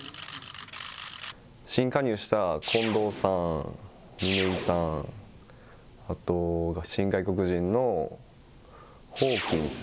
新加入した近藤さん、嶺井さん、あと、新外国人のホーキンス、